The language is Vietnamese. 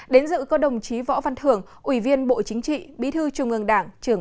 đến dự có đồng chí võ văn thường ủy viên bộ chính trị bí thư trung ương đảng